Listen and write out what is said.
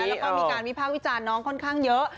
แล้วก็มีการวิพากษ์วิจารณ์น้องค่อนข้างเยอะ